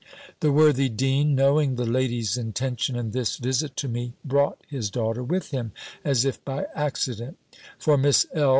The worthy dean, knowing the ladies' intention in this visit to me, brought his daughter with him, as if by accident; for Miss L.